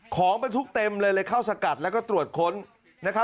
ของบรรทุกเต็มเลยเลยเข้าสกัดแล้วก็ตรวจค้น